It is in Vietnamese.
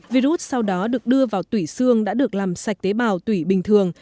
virus sau đó được đưa vào tủy xương đã được làm sạch tế bào tủy bình thường